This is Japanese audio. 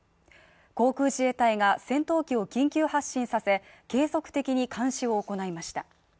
航空自衛隊が戦闘機を緊急発進させ継続的に監視を行いました。